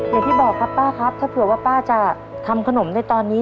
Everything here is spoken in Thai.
อย่างที่บอกครับป้าครับถ้าเผื่อว่าป้าจะทำขนมในตอนนี้